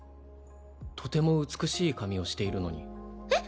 とても美しい髪をしているのにえっ？